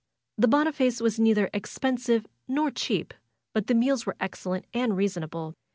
The Boniface was neither expensive nor cheap, but the meals were excellent and reasonable.